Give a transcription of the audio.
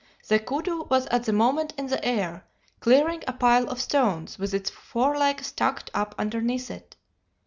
The koodoo was at the moment in the air, clearing a pile of stones with its fore legs tucked up underneath it.